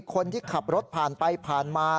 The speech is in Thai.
คนที่ขับรถผ่านไปผ่านมา